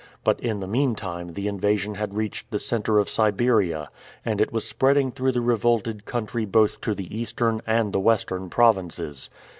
But in the meantime the invasion had reached the center of Siberia, and it was spreading through the revolted country both to the eastern, and the western provinces.